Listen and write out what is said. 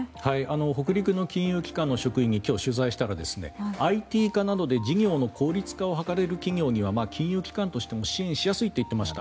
北陸の金融機関の職員に今日、取材をしたらＩＴ化などで事業の効率化を図れる企業には金融機関としても支援しやすいと言っていました。